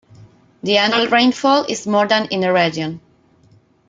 The annual rainfall is more than in the region.